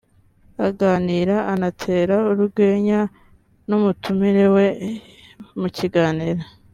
aganira anatera urwenya n’umutumire mu kiganiro